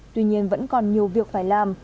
tuy nhiên vẫn còn nhiều việc phải làm